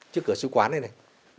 trước cửa sưu quán này này